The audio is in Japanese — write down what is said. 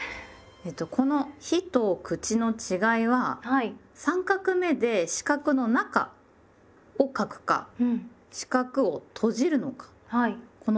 この「日」と「口」の違いは３画目で四角の中を書くか四角を閉じるのかこの違いです。